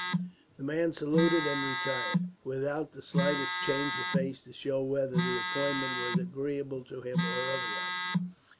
The man saluted and retired, without the slightest change of face to show whether the appointment was agreeable to him, or otherwise.